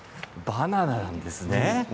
バナナなんです。